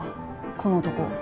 この男。